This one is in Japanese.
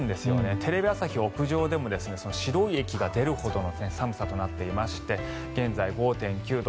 テレビ朝日屋上でも白い息が出るほどの寒さとなっていまして現在５．９度。